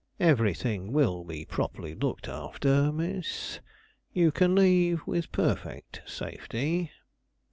"Everything will be properly looked after, Miss; you can leave with perfect safety."